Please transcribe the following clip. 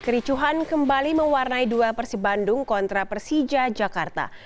kericuhan kembali mewarnai duel persibandung kontra persija jakarta